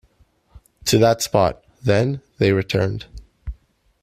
To that spot, then, they returned.